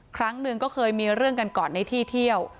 ครั้งหนึ่งก็เคยมีเรื่องกันก่อนในที่เที่ยว